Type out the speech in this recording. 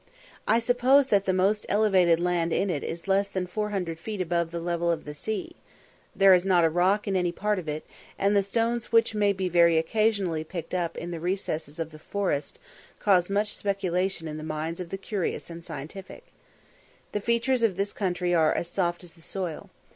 I suppose that the most elevated land in it is less than 400 feet above the level of the sea; there is not a rock in any part of it, and the stones which may be very occasionally picked up in the recesses of the forest cause much speculation in the minds of the curious and scientific. The features of this country are as soft as the soil.